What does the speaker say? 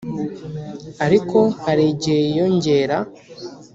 ariko hari igihe yiyongera